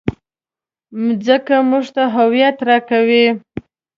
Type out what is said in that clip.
مځکه موږ ته هویت راکوي.